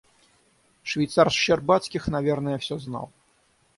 Швейцар Щербацких, наверное, всё знал.